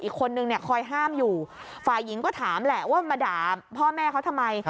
อีกคนนึงเนี่ยคอยห้ามอยู่ฝ่ายหญิงก็ถามแหละว่ามาด่าพ่อแม่เขาทำไม